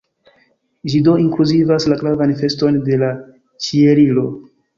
Ĝi do inkluzivas la gravan feston de la Ĉieliro.